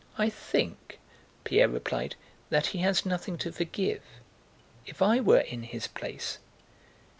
"I think..." Pierre replied, "that he has nothing to forgive.... If I were in his place..."